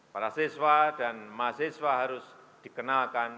para siswa dan mahasiswa harus dikenalkan